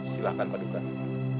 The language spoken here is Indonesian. silahkan pak dikutuk